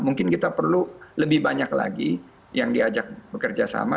mungkin kita perlu lebih banyak lagi yang diajak bekerja sama